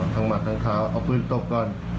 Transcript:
หมัดทั้งเท้าเอาปืนตบก่อน